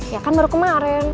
ya kan baru kemaren